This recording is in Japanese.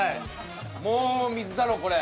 もう水だろこれ。